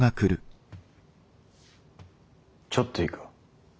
ちょっといいか。